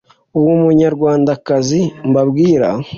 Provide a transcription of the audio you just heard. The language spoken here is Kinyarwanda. uwo munyarwandakazi mbabwira